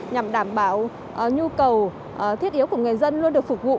nhằm đảm bảo nhu cầu thiết yếu của người dân luôn được phục vụ